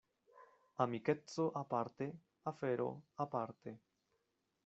Amikeco aparte, afero aparte.